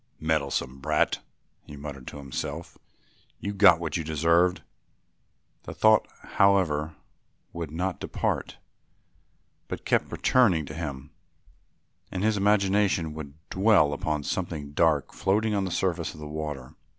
"Meddlesome brat," he muttered to himself, "you got what you deserved." The thought, however, would not depart but kept returning to him, and his imagination would dwell upon something dark floating on the surface of the water.